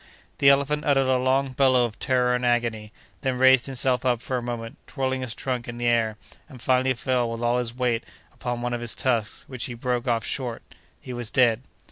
The elephant uttered a long bellow of terror and agony, then raised himself up for a moment, twirling his trunk in the air, and finally fell with all his weight upon one of his tusks, which he broke off short. He was dead.